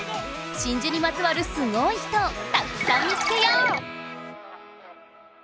真珠にまつわるすごい人をたくさん見つけよう！